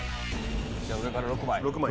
じゃあ上から６枚。